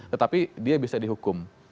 tetapi dia bisa dihukum